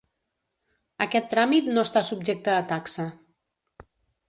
Aquest tràmit no està subjecte a taxa.